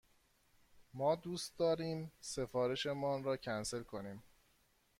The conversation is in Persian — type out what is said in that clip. ما دوست داریم سفارش مان را کنسل کنیم.